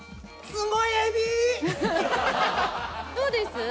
どうです？